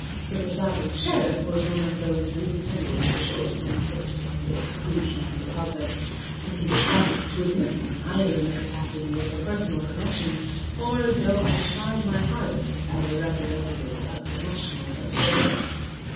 The presiding Sheriff was one of those new fangled officials who insist on the exclusion of the public, and he declined to admit me either in the capacity of a personal connection or, though I tried my hardest, as the representative of "The National Observer."